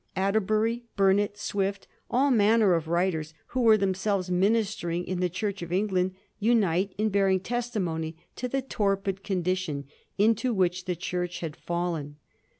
Atterbury, Burnet, Swift, all manner of writers, who were themselves ministering in the Church of England, unite in bearing testimony to the torpid condition into which the Church had fallen.